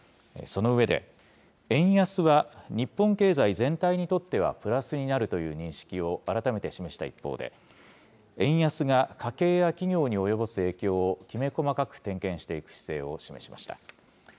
その上で、円安は、日本経済全体にとってはプラスになるという認識を改めて示した一方で、円安が家計や企業に及ぼす影響をきめ細かく点検していく姿勢を示しました。